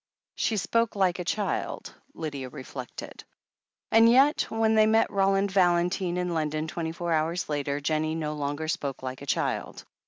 She spoke like a child, Lydia reflected. And yet, when they met Roland Valentine in Lon don twenty four hours later, Jennie no longer spoke like a child.